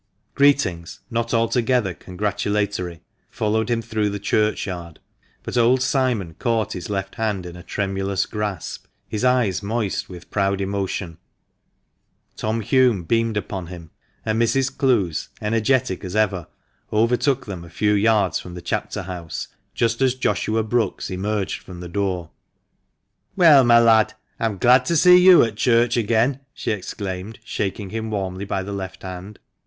Greetings, not altogether congratulatory, followed him through the churchyard. But old Simon caught his left hand in a tremulous grasp, his eyes moist with proud emotion. Tom Hulme beamed upon him, and Mrs, Clowes, energetic as ever, overtook THB MANCHESTER MAN. 213 them a few yards from the chapter house, just as Joshua Brookes emerged from the door. " Well, my lad, I'm glad to see you at church again !" she exclaimed, shaking him warmly by the left hand.